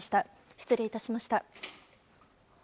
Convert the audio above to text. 失礼致しました。